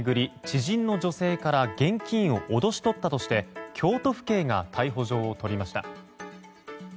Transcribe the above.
知人女性から現金を脅し取ったとして京都府警が逮捕状を取りました。